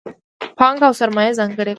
پانګه او سرمایه ځانګړې کړي.